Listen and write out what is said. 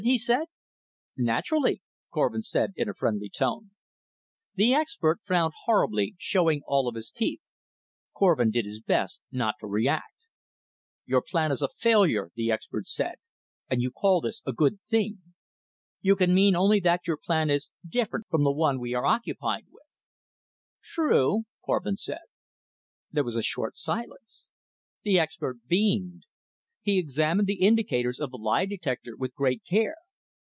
he said. "Naturally," Korvin said in a friendly tone. The expert frowned horribly, showing all of his teeth. Korvin did his best not to react. "Your plan is a failure," the expert said, "and you call this a good thing. You can mean only that your plan is different from the one we are occupied with." "True," Korvin said. There was a short silence. The expert beamed. He examined the indicators of the lie detector with great care.